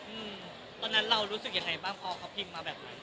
อืมตอนนั้นเรารู้สึกยังไงบ้างพอเขาพิมพ์มาแบบนั้น